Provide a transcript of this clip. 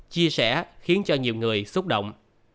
chia sẻ khiến cho nhiều người xúc động